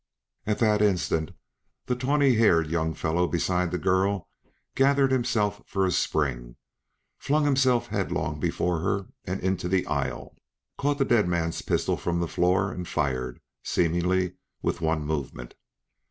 At that instant the tawny haired young fellow beside the girl gathered himself for a spring, flung himself headlong before her and into the aisle; caught the dead man's pistol from the floor and fired, seemingly with one movement.